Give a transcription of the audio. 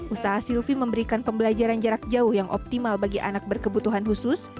usaha silvi memberikan pembelajaran jarak jauh yang optimal bagi anak berkebutuhan khusus